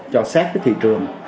cho sát cái thị trường